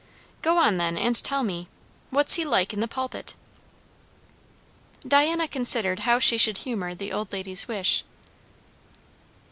"Go on, then, and tell me. What's he like in the pulpit?" Diana considered how she should humour the old lady's wish.